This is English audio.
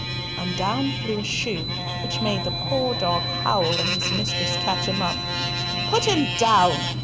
and down flew a shoe, which made the poor dog howl, and his mistress catch him up. "Put him down!